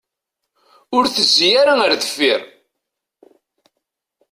Ur ttezzi ara ar deffir.